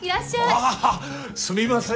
ああすみません。